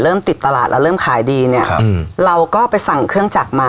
ติดตลาดแล้วเริ่มขายดีเนี่ยครับเราก็ไปสั่งเครื่องจักรมา